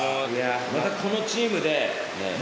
またこのチームで。